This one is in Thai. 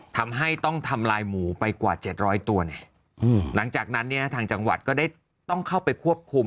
ทำให้ต้องทำลายหมูไปกว่า๗๐๐ตัวหลังจากนั้นเนี่ยทางจังหวัดก็ได้ต้องเข้าไปควบคุม